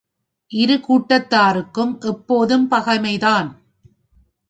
இரு கூட்டத்தாருக்கும் எப்போதும் பகைமைதான்.